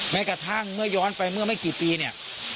แม้กระทั่งเมื่อย้อนไปเมื่อไม่กี่ปีเนี่ย